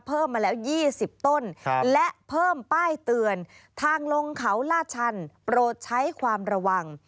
เพิ่มมาแล้ว๒๐ต้นและเพิ่มป้ายเตือนทางลงเขาลาดชันโปรดใช้ความระวัง